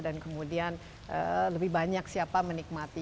dan kemudian lebih banyak siapa menikmati